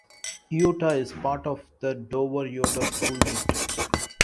Eyota is part of the Dover-Eyota School District.